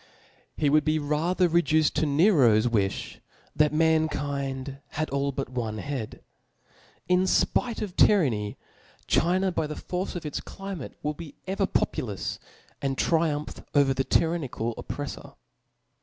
He would be rather reduced to Nero's wi(h, that mankind had all but one head. In fpite of tyranny, China by the force of itscli* mate will be ever populous^ and triumph over the tyrannical oppreffor.